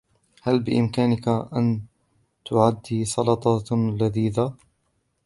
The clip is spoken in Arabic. هل بإمكانك أن تعدي سلطة لذيذة ؟